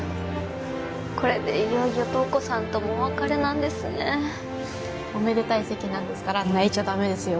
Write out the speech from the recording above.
これでいよいよ瞳子さんともお別れなんですねおめでたい席なんですから泣いちゃダメですよ